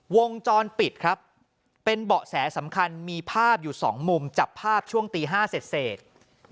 วงจรปิดครับเป็นเบาะแสสำคัญมีภาพอยู่สองมุมจับภาพช่วงตี๕เสร็จ